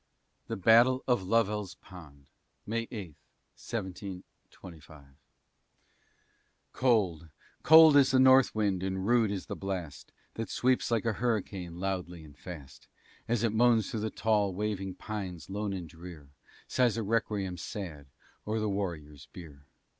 THE BATTLE OF LOVELL'S POND [May 8, 1725] Cold, cold is the north wind and rude is the blast That sweeps like a hurricane loudly and fast, As it moans through the tall waving pines lone and drear, Sighs a requiem sad o'er the warrior's bier.